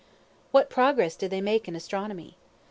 What progress did they make in Astronomy?